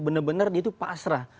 benar benar dia itu pasrah